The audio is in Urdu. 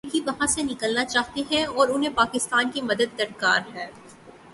امریکی وہاں سے نکلنا چاہتے ہیں اور انہیں پاکستان کی مدد درکار ہے۔